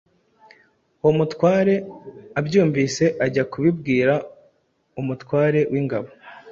Uwo mutware abyumvise ajya kubibwira umutware w’ingabo